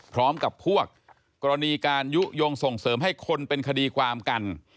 พร้อมกับพวกกรณีการยุโยงส่งเสริมให้คนเป็นคดีความกัน